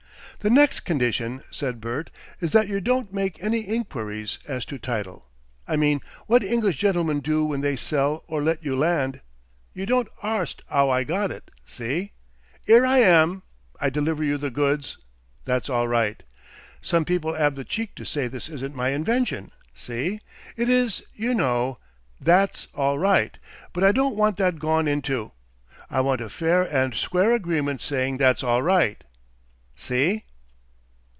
"The nex condition," said Bert, "is that you don't make any inquiries as to title. I mean what English gentlemen do when they sell or let you land. You don't arst 'ow I got it. See? 'Ere I am I deliver you the goods that's all right. Some people 'ave the cheek to say this isn't my invention, see? It is, you know THAT'S all right; but I don't want that gone into. I want a fair and square agreement saying that's all right. See?"